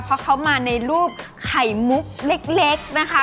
เพราะเขามาในรูปไข่มุกเล็กนะคะ